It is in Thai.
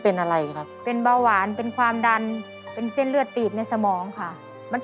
เป็นเลือดแตก